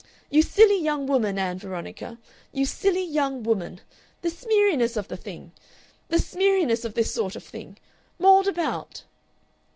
"You silly young woman, Ann Veronica! You silly young woman! The smeariness of the thing! "The smeariness of this sort of thing!... Mauled about!"